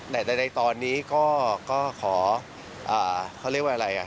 แต่ในตอนนี้ก็ขอเขาเรียกว่าอะไร